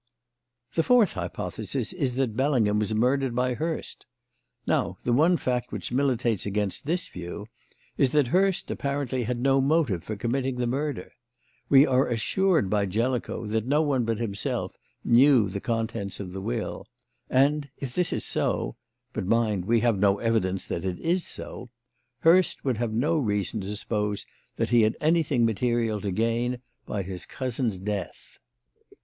"The fourth hypothesis is that Bellingham was murdered by Hurst. Now the one fact which militates against this view is that Hurst apparently had no motive for committing the murder. We are assured by Jellicoe that no one but himself knew the contents of the will, and if this is so but, mind, we have no evidence that it is so Hurst would have no reason to suppose that he had anything material to gain by his cousin's death.